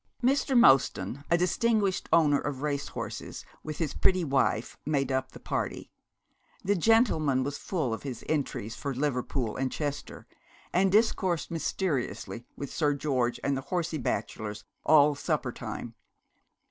Mr. Mostyn, a distinguished owner of race horses, with his pretty wife, made up the party. The gentleman was full of his entries for Liverpool and Chester, and discoursed mysteriously with Sir George and the horsey bachelors all supper time.